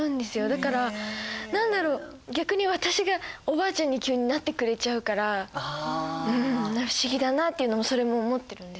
だから何だろう逆に私がおばあちゃんに急になってくれちゃうから不思議だなっていうのもそれも思ってるんですけど。